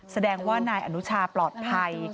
แสดงว่านายอนุชาปลอดภัย